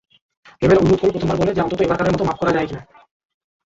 হিমেল অনুরোধ করল প্রথমবার বলে অন্তত এবারকার মতো মাপ করা যায় কি-না।